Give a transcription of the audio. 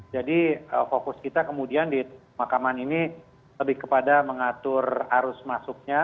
jadi fokus kita kemudian di makaman ini lebih kepada mengatur arus masuknya